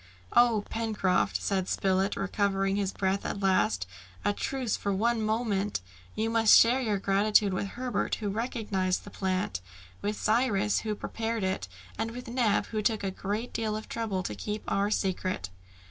"Oh, Pencroft," said Spilett, recovering his breath at last, "a truce for one moment. You must share your gratitude with Herbert, who recognised the plant, with Cyrus, who prepared it, and with Neb who took a great deal of trouble to keep our secret."